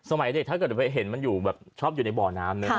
สมัยเด็กถ้าเกิดเห็นมันอยู่แบบชอบอยู่ในบ่อน้ำเนอะ